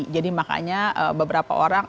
jadi makanya beberapa orang